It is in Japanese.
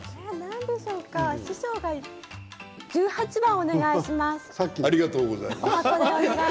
師匠の十八番をお願いします。